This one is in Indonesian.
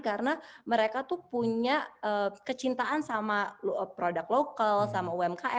karena mereka tuh punya kecintaan sama produk lokal sama umkm